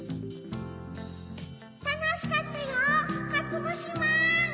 たのしかったよかつぶしまん！